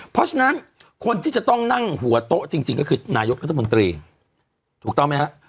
เพราะฉะนั้นคนที่จะต้องนั่งหัวโต๊ะจริงก็คือนายกรัฐมนตรีถูกต้องไหมฮะ